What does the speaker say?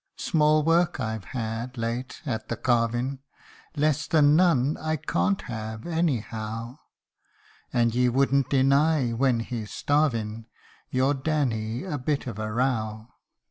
Small work I've had late at the carvin', Less than none I can't have, any how ; And ye wouldn't deny, when he's starvin', Your Danny a bit of a row